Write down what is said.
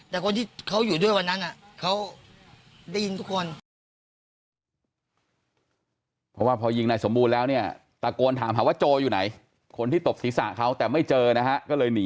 โดนแน่นอนเพราะเขายิงเสร็จเขาทำหาชื่อผมเลย